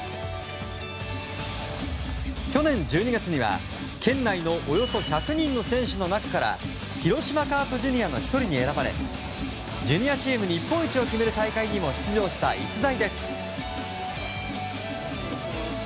去年１２月には、県内のおよそ１００人の選手の中から広島カープジュニアの１人に選ばれジュニアチーム日本一を決める大会にも出場した逸材です。